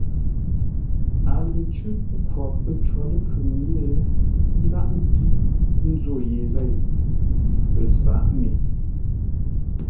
A lə cʉ́ʼ nkwǒr pə̂ có ləkhʉŋ yé ńdághʼ ńtʉ́ nzǒ ye zêi, ə sǎʼ me.